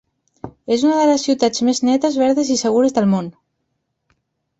És una de les ciutats més netes, verdes i segures del món.